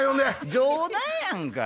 冗談やんか。